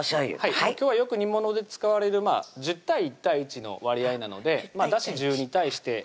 今日はよく煮物で使われる１０対１対１の割合なのでだし・１０に対してみりん